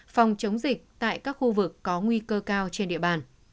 phòng chống dịch tại các khu vực có nguy cơ cao trên địa bàn